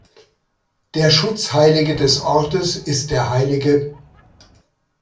Der Schutzheilige des Ortes ist der Hl.